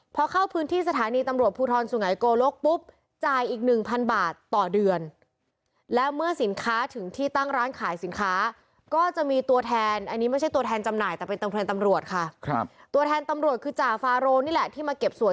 เพราะเข้าพื้นที่สถานีตำรวจภูทรสุงไงโกลกปุ๊บ